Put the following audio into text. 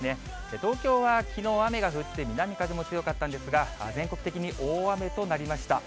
東京はきのう雨が降って、南風も強かったんですが、全国的に大雨となりました。